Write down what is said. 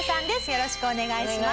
よろしくお願いします。